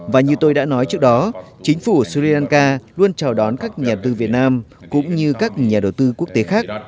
và như tôi đã nói trước đó chính phủ sri lanka luôn chào đón các nhà đầu tư việt nam cũng như các nhà đầu tư quốc tế khác